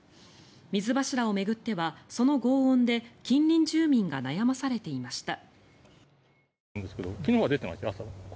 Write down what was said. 水柱を巡ってはそのごう音で近隣住民が悩まされていました。